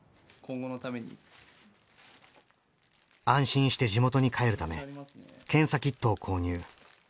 安心して地元に帰るため検査キットを購入。